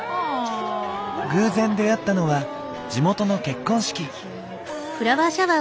偶然出合ったのは地元の結婚式。